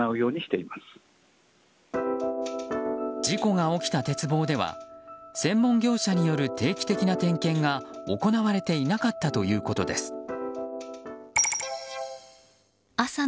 事故が起きた鉄棒では専門業者による定期的な点検が行われていなかったということです。